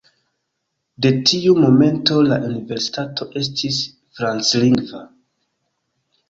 De tiu momento la universitato estis franclingva.